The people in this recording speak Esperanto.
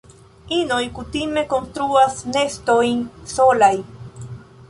Inoj kutime konstruas nestojn solaj.